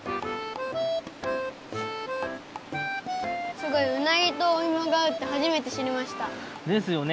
すごいうなぎとおいもがあうってはじめてしりました。ですよね。